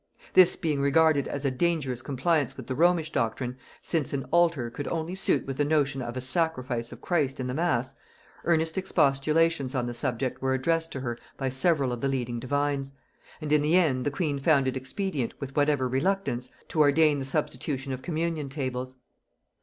This being regarded as a dangerous compliance with the Romish doctrine, since an altar could only suit with the notion of a sacrifice of Christ in the mass, earnest expostulations on the subject were addressed to her by several of the leading divines; and in the end the queen found it expedient, with whatever reluctance, to ordain the substitution of communion tables.